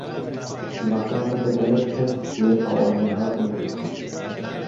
Civaka me de gelek kes, bi wê tawanê hatin girtin